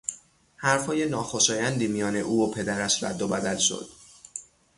حرفهای ناخوشایندی میان او و پدرش رد و بدل شد.